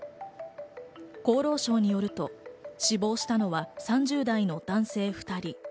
厚労省によると、死亡したのは３０代の男性２人。